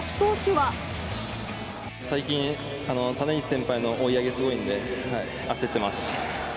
最近、種市先輩の追い上げすごいんで、焦ってます。